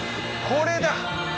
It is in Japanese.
これだ